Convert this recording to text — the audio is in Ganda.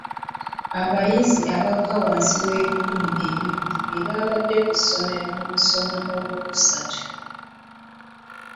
Abayizi abakka wansi w'ebikumi bibiri be badda ku ssomero mu kusoma olwokusatu.